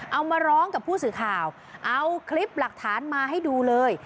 เอามาร้องกับผู้สื่อข่าวเอาคลิปหลักฐานมาให้ดูเลย